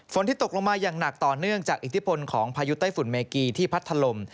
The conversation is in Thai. ที่ตกลงมาอย่างหนักต่อเนื่องจากอิทธิพลของพายุไต้ฝุ่นเมกีที่พัดถล่ม